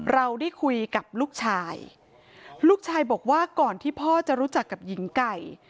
เราได้คุยกับลูกชายลูกชายบอกว่าก่อนที่พ่อจะรู้จักกับหญิงไก่